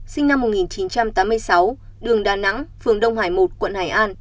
sinh năm một nghìn chín trăm tám mươi sáu đường đà nẵng phường đông hải một quận hải an